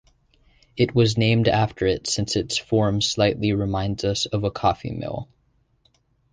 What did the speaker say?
It was named after it since its form slightly reminds us of a coffee mill.